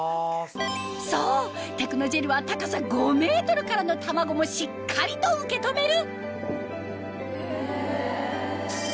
そうテクノジェルは高さ５ｍからの卵もしっかりと受け止める！